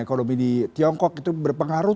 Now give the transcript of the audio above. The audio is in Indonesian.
ekonomi di tiongkok itu berpengaruh